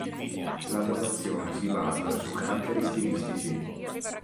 La datazione si basa su caratteri stilistici.